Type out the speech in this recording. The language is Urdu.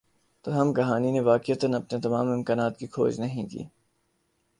تاہم کہانی نے واقعتا اپنے تمام امکانات کی کھوج نہیں کی